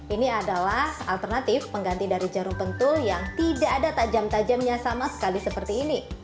ini adalah alternatif pengganti dari jarum pentul yang tidak ada tajam tajamnya sama sekali seperti ini